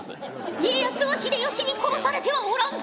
家康は秀吉に殺されてはおらんぞ！